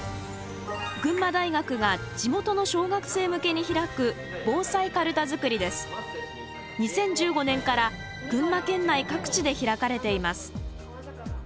群馬大学が地元の小学生向けに開く２０１５年から群馬県内各地で開かれています。